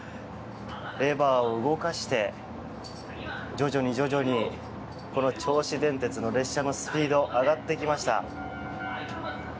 レバーを動かして、徐々に徐々にこの銚子電鉄の列車のスピード上がってきました。